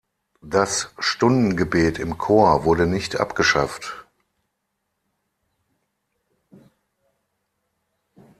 Das Stundengebet im Chor wurde nicht abgeschafft.